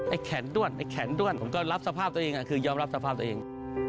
แขนด้วนไอ้แขนด้วนผมก็รับสภาพตัวเองคือยอมรับสภาพตัวเอง